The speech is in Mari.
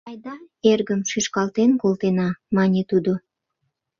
— Айда, эргым, шӱшкалтен колтена, — мане тудо.